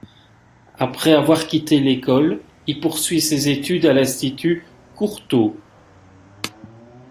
Après avoir quitté l'école, il poursuit ses études à l'Institut Courtauld.